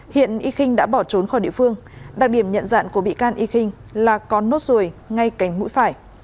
hiện y kinh đã bỏ trốn khỏi địa phương đặc điểm nhận dạng của bị can y kinh là có nốt rùi ngay cành mũi phải